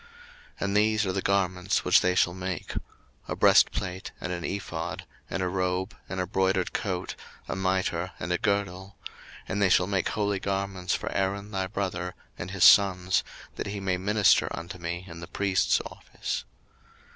02:028:004 And these are the garments which they shall make; a breastplate, and an ephod, and a robe, and a broidered coat, a mitre, and a girdle: and they shall make holy garments for Aaron thy brother, and his sons, that he may minister unto me in the priest's office.